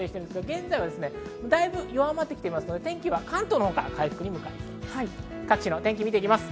現在、だいぶ弱まってきていますが、天気は関東のほうから回復に向かいます。